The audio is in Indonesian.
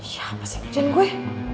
iya apa sih kerjaan gue